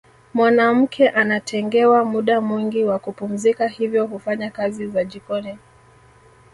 Mwanamke anatengewa muda mwingi wa kupumzika hivyo hufanya kazi za jikoni